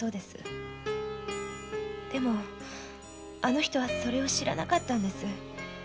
でもあの人はそれを知らなかったんです。